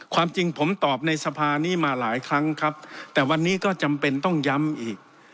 ความจริงผมตอบในสภานี้มาหลายครั้งครับแต่วันนี้ก็จำเป็นต้องย้ำอีก